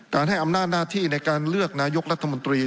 ให้อำนาจหน้าที่ในการเลือกนายกรัฐมนตรี